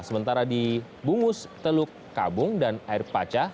sementara di bungus teluk kabung dan air paca